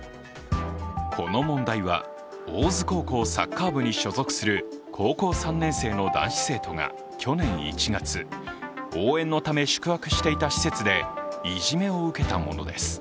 この問題は大津高校サッカー部に所属する高校３年生の男子生徒が去年１月、応援のため宿泊していた施設でいじめを受けたものです。